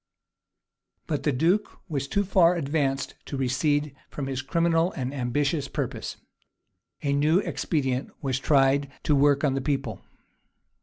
But the duke was too far advanced to recede from his criminal and ambitious purpose. A new expedient was tried to work on the people.